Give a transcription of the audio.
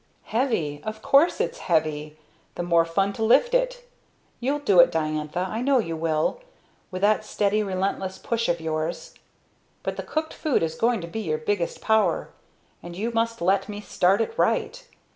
"Heavy! Of course it's heavy! The more fun to lift it! You'll do it, Diantha, I know you will, with that steady, relentless push of yours. But the cooked food is going to be your biggest power, and you must let me start it right.